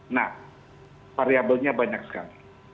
nah variabelnya banyak sekali